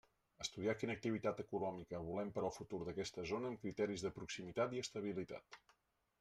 Estudiar quina activitat econòmica volem per al futur d'aquesta zona amb criteris de proximitat i estabilitat.